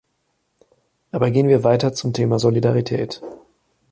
Aber gehen wir weiter zum Thema Solidarität.